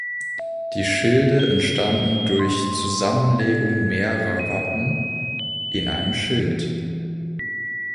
Die Schilde entstanden durch Zusammenlegung mehrerer Wappen in einem Schild.